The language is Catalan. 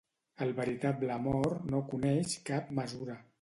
El veritable amor no coneix cap mesura.